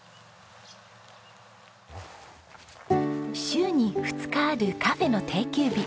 週に２日あるカフェの定休日。